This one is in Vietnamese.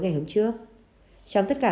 ngày hôm trước trong tất cả